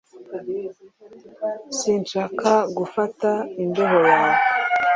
Sinshaka gufata imbeho yawe.